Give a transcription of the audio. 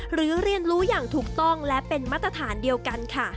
เรียนรู้อย่างถูกต้องและเป็นมาตรฐานเดียวกันค่ะ